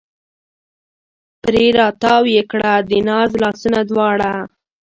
پرې را تاو یې کړه د ناز لاسونه دواړه